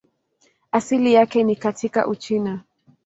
Asili yake ni katika Uchina.